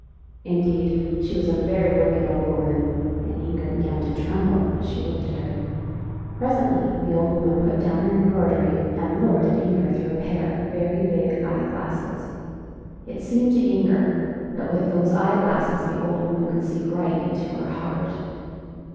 Indeed, she was a very wicked old woman, and Inger began to tremble as she looked at her. Presently the old woman put down her embroidery and looked at Inger through a pair of very big eye glasses. It seemed to [ 25 ] FAVORITE FAIRY TALES RETOLD Inger that with those eye glasses the old woman could see right into her heart.